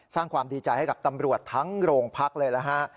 สร้างความดีใจให้กับตำรวจทั้งโรงพักเลยนะฮะ